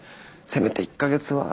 せめて１か月は。